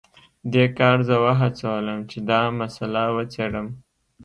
دې کار زه وهڅولم چې دا مسله وڅیړم